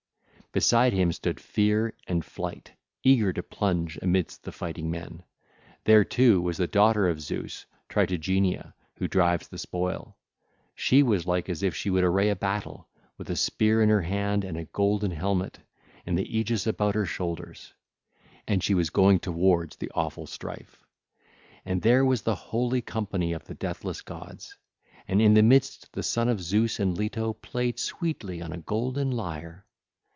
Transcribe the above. Beside him stood Fear and Flight, eager to plunge amidst the fighting men. (ll. 197 200) There, too, was the daughter of Zeus, Tritogeneia who drives the spoil 1803. She was like as if she would array a battle, with a spear in her hand, and a golden helmet, and the aegis about her shoulders. And she was going towards the awful strife. (ll. 201 206) And there was the holy company of the deathless gods: and in the midst the son of Zeus and Leto played sweetly on a golden lyre.